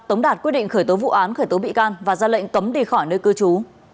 tống đạt quyết định khởi tố vụ án khởi tố bị can và ra lệnh cấm đi khỏi nơi cư trú